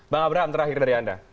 bang abraham terakhir dari anda